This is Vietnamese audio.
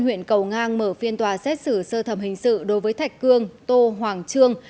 huyện cầu ngang mở phiên tòa xét xử sơ thẩm hình sự đối với thạch cương tô hoàng trương